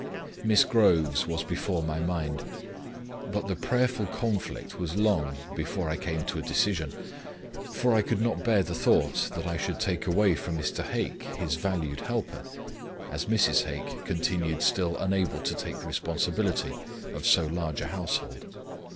Miss Groves was before my mind; but the prayerful conflict was long, before I came to a decision; for I could not bear the thought, that I should take away from Mr. Hake this valued helper, as Mrs. Hake continued still unable to take the responsibility of so large a household.